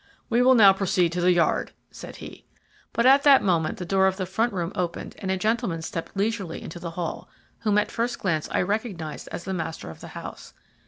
"We will now proceed to the yard," said he. But at that moment the door of the front room opened and a gentleman stepped leisurely into the hall, whom at first glance I recognized as the master of the house.